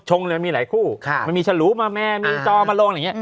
ชงมันมีหลายคู่มันมีฉลูมาเมมีจอมาลง